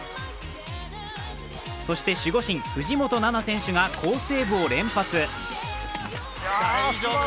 そして守護神・藤本那菜選手が好セーブを連発。